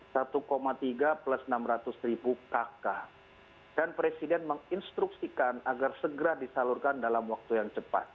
karena ini berharga rp lima puluh tiga plus rp enam ratus kakak dan presiden menginstruksikan agar segera disalurkan dalam waktu yang cepat